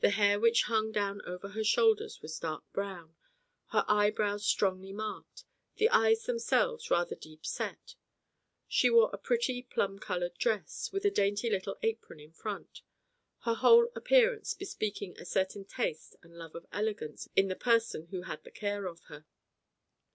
The hair which hung down over her shoulders was dark brown, her eye brows strongly marked, the eyes themselves rather deep set. She wore a pretty plum coloured dress, with a dainty little apron in front; her whole appearance bespeaking a certain taste and love of elegance in the person who had the care of her.